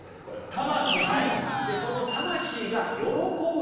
魂！